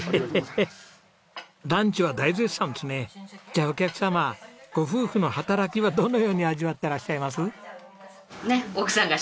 じゃあお客様ご夫婦の働きはどのように味わってらっしゃいます？